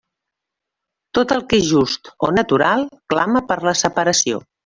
Tot el que és just o natural clama per la separació.